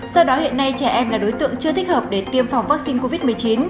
do đó hiện nay trẻ em là đối tượng chưa thích hợp để tiêm phòng vaccine covid một mươi chín